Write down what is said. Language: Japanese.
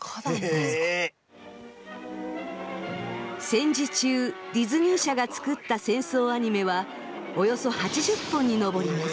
戦時中ディズニー社が作った戦争アニメはおよそ８０本に上ります。